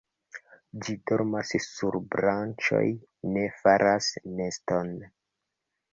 Ĝi dormas sur branĉoj, ne faras neston.